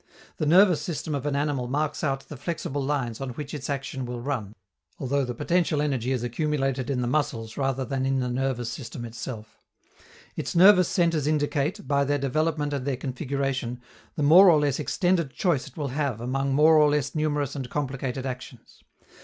The nervous system of an animal marks out the flexible lines on which its action will run (although the potential energy is accumulated in the muscles rather than in the nervous system itself); its nervous centres indicate, by their development and their configuration, the more or less extended choice it will have among more or less numerous and complicated actions.